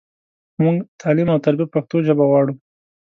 مونږ تعلیم او تربیه په پښتو ژبه غواړو.